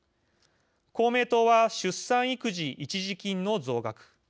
公明党は出産育児一時金の増額。